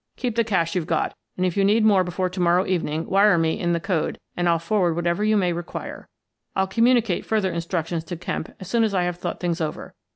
Keep the cash you've got, and, if you need more before to morrow evening, wire me in the code and I'll forward what ever you may require. I'll communicate further instructions to Kemp as soon as I have thought things over.